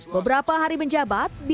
beberapa hari menjabat